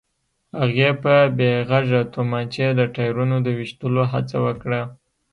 هغې په بې غږه تومانچې د ټايرونو د ويشتلو هڅه وکړه.